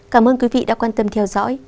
cảm ơn quý vị đã quan tâm theo dõi